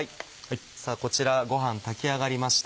さぁこちらごはん炊き上がりました。